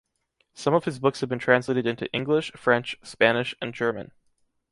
Some of his books have been translated into English, French, Spanish and German.